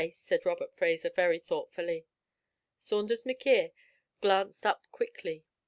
said Robert Fraser, very thoughtfully. Saunders M'Quhirr glanced up quickly.